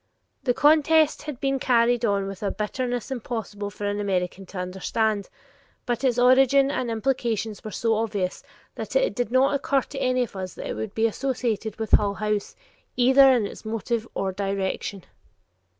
The contest had been carried on with a bitterness impossible for an American to understand, but its origin and implications were so obvious that it did not occur to any of us that it could be associated with Hull House either in its motive or direction.